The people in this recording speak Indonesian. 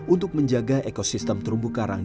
untuk menjaga ekosistem terumbu karang